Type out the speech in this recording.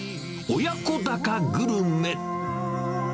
親子鷹グルメ。